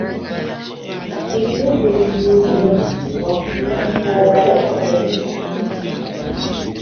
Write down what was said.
Ibihugu bihuriye ku muhora wo hagati ni Tanzania